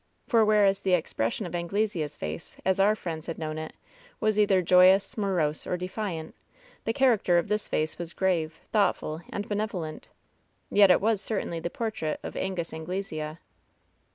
For whereas the expression of Anglesea's face, as our friends had known it, was either joyous, morose, or defiant, the character of this face was grave, thoughtful and benevo lent. Yet it was certainly the portrait of Angus An glesea.